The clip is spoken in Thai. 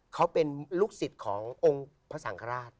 เขาเป็นลูกศิษย์ขององค์พระสังฆราช